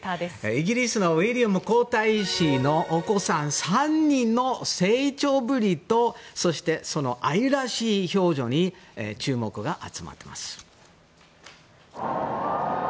イギリスのウィリアム皇太子のお子さん３人の成長ぶりとそして、愛らしい表情に注目が集まっています。